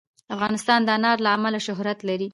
افغانستان د انار له امله شهرت لري.